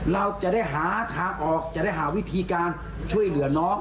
เราจะได้หาทางออกจะได้หาวิธีการช่วยเหลือน้อง